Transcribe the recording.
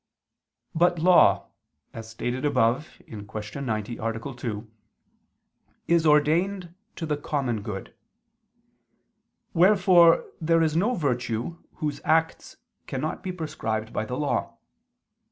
But law, as stated above (Q. 90, A. 2) is ordained to the common good. Wherefore there is no virtue whose acts cannot be prescribed by the law.